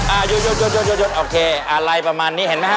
อ่ายกยกยกยกยกโอเคอะไรประมาณนี้เห็นไหมฮะ